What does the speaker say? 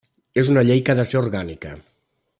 És una llei que ha de ser orgànica.